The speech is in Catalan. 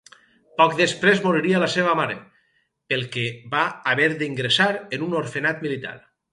Poc després moriria la seua mare, pel que va haver d'ingressar en un orfenat militar.